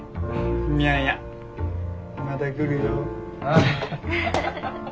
いやいやまた来るよ。